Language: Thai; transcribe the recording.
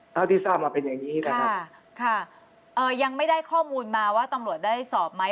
เท่าที่ทราบมาเป็นอย่างนี้นะครับค่ะเอ่อยังไม่ได้ข้อมูลมาว่าตำรวจได้สอบไหม